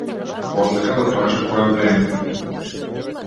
Посака да праша кое време е.